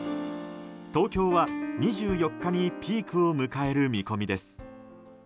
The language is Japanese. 東京は、２４日にピークを迎える見込みです。